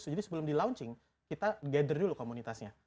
jadi sebelum di launching kita gather dulu komunitasnya